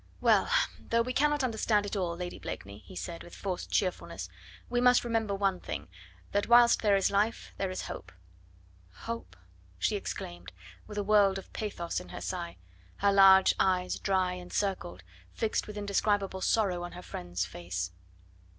"Well! though we cannot understand it all, Lady Blakeney," he said with forced cheerfulness, "we must remember one thing that whilst there is life there is hope." "Hope!" she exclaimed with a world of pathos in her sigh, her large eyes dry and circled, fixed with indescribable sorrow on her friend's face.